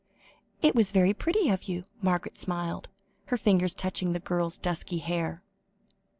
"It was very pretty of you," Margaret smiled, her fingers touching the girl's dusky hair.